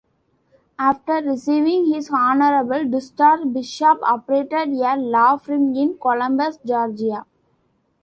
After receiving his honorable discharge, Bishop operated a law firm in Columbus, Georgia.